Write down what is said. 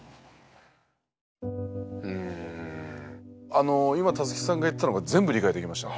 あの今タツキさんが言ったのが全部理解できました。